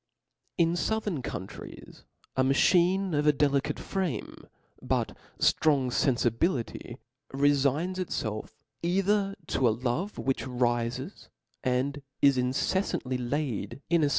In fouthern countries a machine of a delicate , frame, but ftrong fenfibility, refigns itfelf either to a love which rifes and is inceflantiy laid in a